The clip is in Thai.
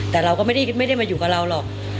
แต่เราก็ไม่ได้มาอยู่กับเราหรอก